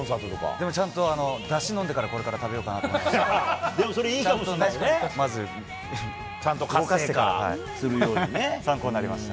でも、ちゃんとだし飲んでからこれから食べようと思いました。